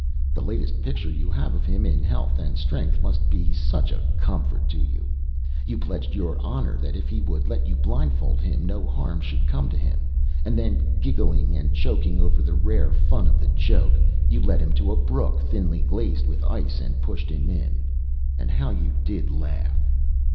The latest picture you have of him in health and strength must be such a comfort to you! You pledged your honor that if he would let you blindfold him no harm should come to him; and then, giggling and choking over the rare fun of the joke, you led him to a brook thinly glazed with ice, and pushed him in; and how you did laugh!